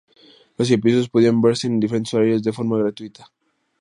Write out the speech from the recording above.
Los episodios podían verse en diferentes horarios de forma gratuita.